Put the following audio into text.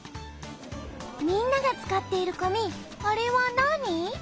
みんなが使っている紙あれは何？